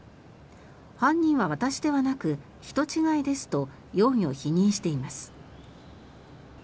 犯人は私ではなく人違いですと容疑を否認しています。